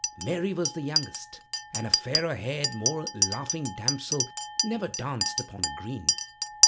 Mary was the youngest, and a fairer haired, more laughing damsel never danced upon a green.